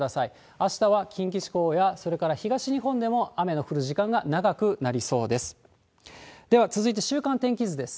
あしたは近畿地方や、それから東日本でも雨の降る時間が長くなりそうです。